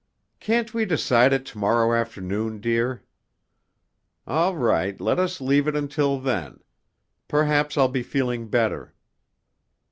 "Can't we decide it to morrow afternoon, dear? All right—let us leave it until then. Perhaps I'll be feeling better."